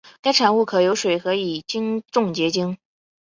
该产物可由水和乙腈重结晶。